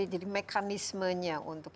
jadi mekanismenya untuk